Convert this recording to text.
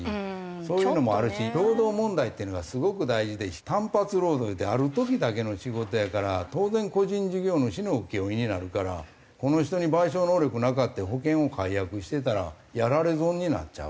そういうのもあるし労働問題っていうのがすごく大事で単発労働言うてある時だけの仕事やから当然個人事業主の請負になるからこの人に賠償能力なくて保険を解約してたらやられ損になっちゃうと。